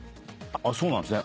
⁉あっそうなんすね。